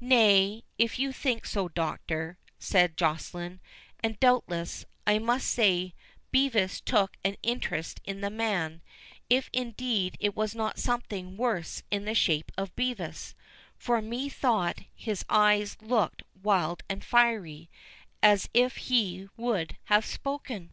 "Nay, if you think so, Doctor," said Joceline—"and, doubtless, I must say, Bevis took an interest in the man—if indeed it was not something worse in the shape of Bevis, for methought his eyes looked wild and fiery, as if he would have spoken."